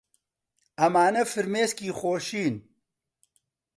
ئەمانە فرمێسکی خۆشین.